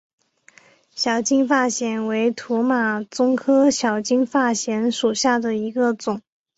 小金发藓为土马鬃科小金发藓属下的一个种。